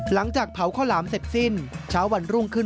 หลังจากเผาข้าวหลามเสร็จสิ้นเช้าวันรุ่งขึ้น